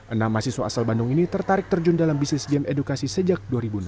enam mahasiswa asal bandung ini tertarik terjun dalam bisnis game edukasi sejak dua ribu enam belas